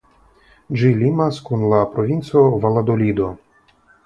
Ĝi limas kun la Provinco Valadolido.